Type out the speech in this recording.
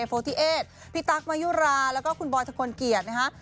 พี่ตักมายุราแล้วก็คุณบอยทะคนเกียรตินะฮะ